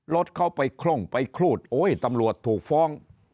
รถเขาไปคล่องไปครูดโอ้ยตำรวจถูกฟ้อง